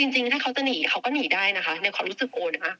จริงถ้าเขาจะหนีเขาก็หนีได้นะคะในความรู้สึกโอนนะคะ